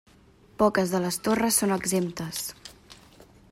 Poques de les torres són exemptes.